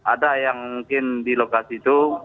ada yang mungkin di lokasi itu